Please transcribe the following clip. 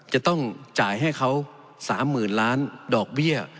จะต้องจ่ายให้เขา๓๐๐๐ล้านดอกเบี้ย